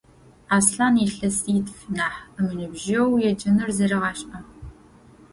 Аслъан илъэситф нахь ымыныбжьэу еджэныр зэригъэшӏагъ.